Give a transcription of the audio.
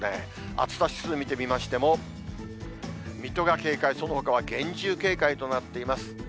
暑さ指数見てみましても、水戸が警戒、そのほかは厳重警戒となっています。